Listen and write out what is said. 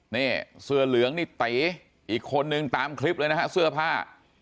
นี่เสื้อเหลืองนี่ตีอีกคนนึงตามคลิปเลยนะฮะเสื้อผ้า